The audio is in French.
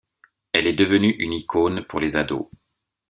Elle est devenue une icône pour les ados.